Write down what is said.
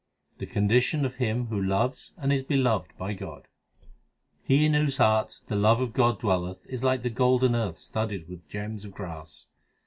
The condition of him who loves and is beloved by God : He in whose heart the love of God dwelleth is like the golden earth studded with gems of grass.